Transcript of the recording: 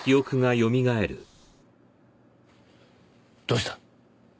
どうした？